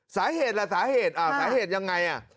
สาเหตุล่ะสาเหตุสาเหตุยังไง